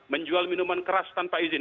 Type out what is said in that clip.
menjual minuman keras tanpa izin